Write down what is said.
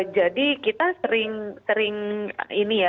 jadi kita sering sering ini ya